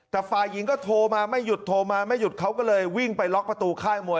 แต่ฝ่ายหญิงก็โทรมาไม่หยุดโทรมาไม่หยุดเขาก็เลยวิ่งไปล็อกประตูค่ายมวย